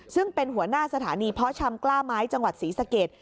ซึ่งเป็นหัวหน้าสถานีเพาะชำกล้าไม้จังหวัดศรีสะเกด